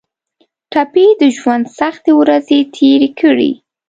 ټپي د ژوند سختې ورځې تېرې کړي.